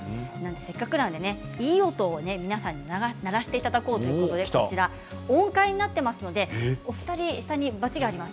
せっかくなのでいい音を皆さんで鳴らしていただこうということで音階になっていますのでお二人にバチがあります。